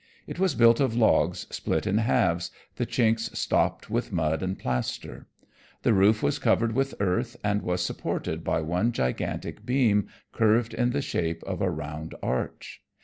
It was built of logs split in halves, the chinks stopped with mud and plaster. The roof was covered with earth and was supported by one gigantic beam curved in the shape of a round arch.